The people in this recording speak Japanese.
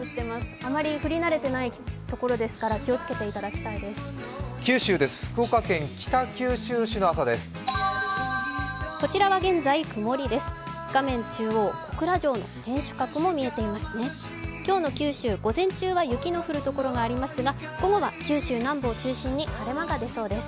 あまり降り慣れていないところですから気をつけていただきたいです。